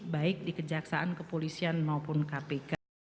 baik di kejaksaan kepolisian maupun kpk